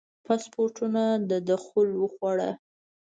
پاسپورټونو دخول وخوړه.